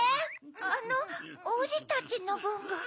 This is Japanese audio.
あのおうじたちのぶんが。